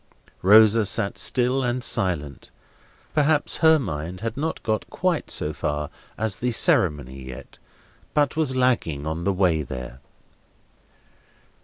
Rosa sat still and silent. Perhaps her mind had not got quite so far as the ceremony yet, but was lagging on the way there.